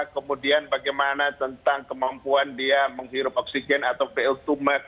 kemudian bagaimana tentang kemampuan dia menghirup oksigen atau pl dua